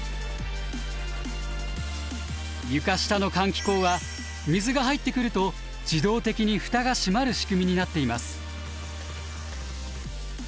床下の換気口は水が入ってくると自動的にフタが閉まる仕組みになっています。